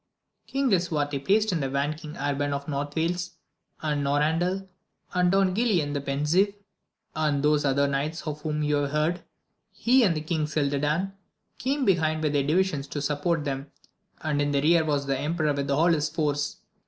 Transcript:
ING LISUARTE placed in the van King Arban of North Wales, and Norandel, and Don Guilan the Pensive, and those other knights of whom you have heard. He and King Cildadan came behind with their division to support them, and in the rear was the emperor with all his force.